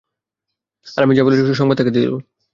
আর আমি যা বলেছি তার সংবাদ তাঁকে দিল।